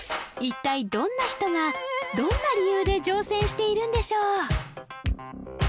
一体どんな人がどんな理由で乗船しているんでしょう？